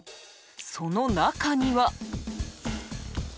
その中には。